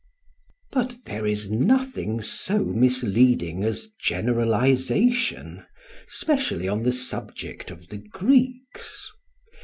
But there is nothing so misleading as generalisation, specially on the subject of the Greeks.